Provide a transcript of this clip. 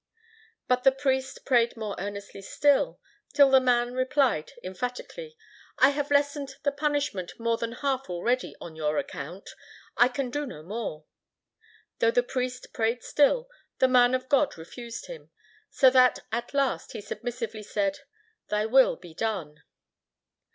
But the priest prayed more earnestly still, till the Man replied emphatically, "I have lessened the punishment more than a half already on your account; I can do no more." Though the priest prayed still, the Man of God refused him, so that at last he submissively said, "Thy will be done."